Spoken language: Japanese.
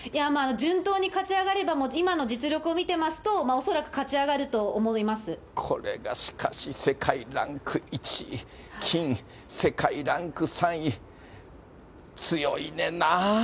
順当に勝ち上がれば、今の実力を見てますと、恐らく勝ち上がこれがしかし世界ランク１位、金、世界ランク３位、強いねんなぁ。